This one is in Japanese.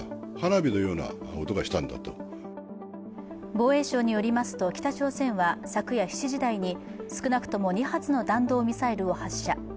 防衛省によりますと、北朝鮮は昨夜７時台に少なくとも２発の弾道ミサイルを発射。